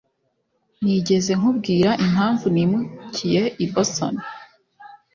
Nigeze nkubwira impamvu nimukiye i Boston?